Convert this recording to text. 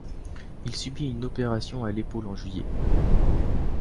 Il subit une opération à l'épaule en juillet.